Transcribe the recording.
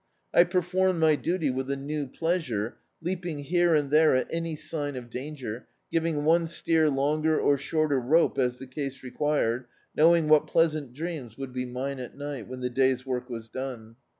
I per* formed my duty with a new pleasure, leaping here and there at any sign of danger, giving oat steer longer or shorter rope, as the case required, knowing what pleasant dreams would be mine at night, when the day's work was done.